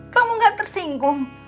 kamu gak tersinggung